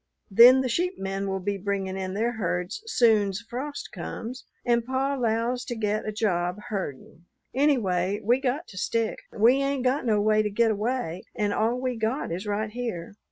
Then the sheep men will be bringin' in their herds soon's frost comes and pa 'lows to get a job herdin'. Anyway, we got to stick. We ain't got no way to get away and all we got is right here.